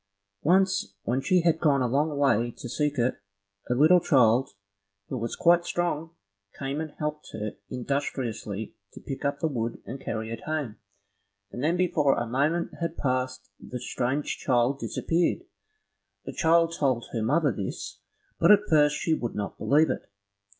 Once when she had gone a long way to seek it, a little child, who was quite strong, came and helped her industriously to pick up the wood and carry it home, and then before a moment had passed the strange child disappeared. The child told her mother this, but at first she would not believe it.